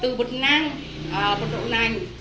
từ bột năng bột đậu nành